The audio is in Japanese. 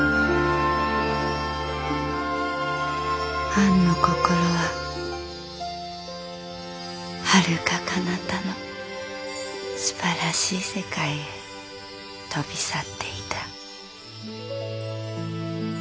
「アンの心ははるか彼方のすばらしい世界へ飛び去っていた」。